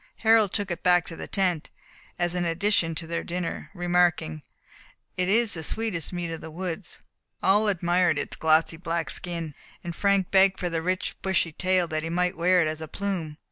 Harold took it back to the tent, as an addition to their dinner, remarking, "It is the sweetest meat of the woods." All admired its glossy black skin, and Frank begged for the rich bushy tail, that he might wear it as a plume.